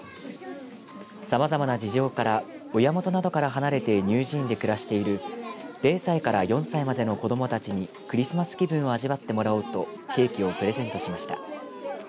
さまざまな事情から親元などから離れて乳児院に暮らしている０歳から４歳までの子どもたちにクリスマス気分を味わってもらおうとケーキをプレゼントしました。